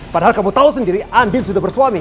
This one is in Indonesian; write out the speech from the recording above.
padahal kamu tau sendiri andin sudah bersuami